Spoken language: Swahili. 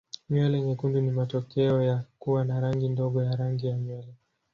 Nywele nyekundu ni matokeo ya kuwa na rangi ndogo ya rangi ya nywele.